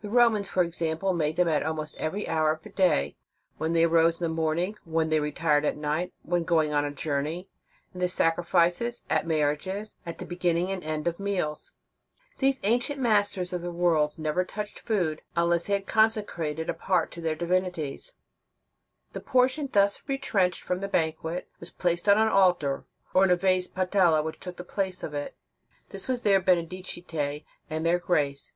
The Romans, for exam ple, made them at almost every hour of the day; when they arose in the morning; when they retired at night; when going on a jour ney; in the sacrifices, at marriages, at the * Dipnosophis, lib. iv. t Ibid. lib. iv. jDecnd. iv lib. ix. 250 The Sign of the Cross beginning and end of meals. Those ancient masters of the world never touched food until they had consecrated a part to their divinities. The portion thus retrenched from the banquet was placed on an altar, or a vase patella, which took the place of it. This was their Benedicite and their Grace.